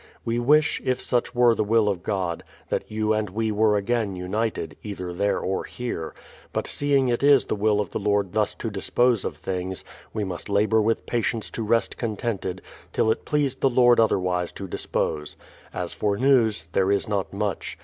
We wish (if such were the will of God) that you and we were again united, either there or here ; but seeing it is the will of the Lord thus to dispose of things, we must labour with patience to rest contented, till it please the Lord otherwise to dispose. As for news, there is not much.